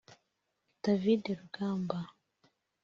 David Rugamba